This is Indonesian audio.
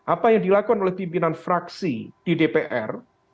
apa yang dilakukan oleh pimpinan fraksi di dpr